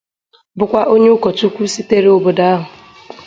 bụkwa onye ụkọchukwu sitere obodo ahụ